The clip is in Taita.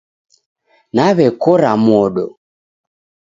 Naw'ekora modo